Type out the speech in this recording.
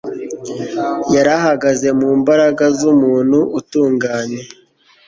Yari ahagaze mu mbaraga z'umuntu utunganye,